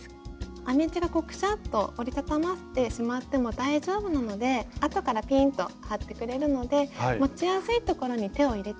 編み地がくしゃっと折り畳まってしまっても大丈夫なのであとからピーンと張ってくれるので持ちやすいところに手を入れて。